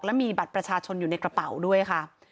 และมีบัตรประชาชนอยู่ในกระเป๋าด้วยค่ะ